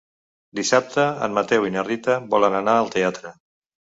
Dissabte en Mateu i na Rita volen anar al teatre.